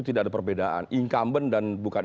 tidak ada perbedaan incumbent dan bukan